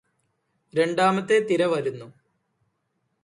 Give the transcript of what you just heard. രണ്ടാമത്തെ തിര വരുന്നു